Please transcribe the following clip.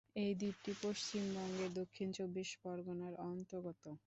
এই দ্বীপটি পশ্চিমবঙ্গের দক্ষিণ চব্বিশ পরগনার অন্তর্গত।